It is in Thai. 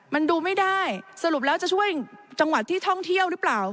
มันดูไม่ได้สรุปแล้วจะช่วยจังหวัดที่ท่องเที่ยวหรือเปล่า